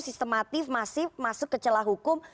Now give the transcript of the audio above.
sistematif masif masuk ke celah hukum